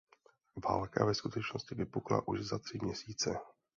Válka ve skutečnosti vypukla už za tři měsíce.